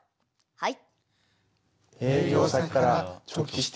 はい。